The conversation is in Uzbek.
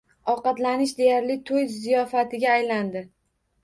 Ovqatlanish deyarli to`y ziyofatiga aylandi